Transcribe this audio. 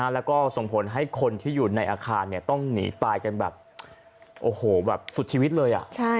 แล้วก็ส่งผลให้คนที่อยู่ในอาคารต้องหนีตายกันแบบโอ้โหแบบสุดชีวิตเลย